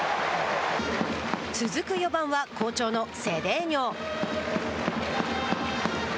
続く４番は好調のセデーニョ。